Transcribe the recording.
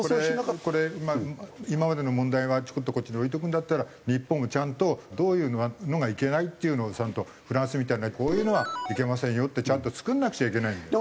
これまあ今までの問題はこっちに置いとくんだったら日本がちゃんとどういうのがいけないっていうのをちゃんとフランスみたいなこういうのはいけませんよってちゃんと作んなくちゃいけないんだよ。